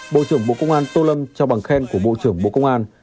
bộ trưởng bộ công an tô lâm cho bằng khen của bộ trưởng bộ công an